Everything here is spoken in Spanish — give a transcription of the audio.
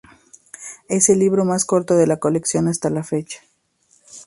Es el libro más corto de la colección hasta la fecha.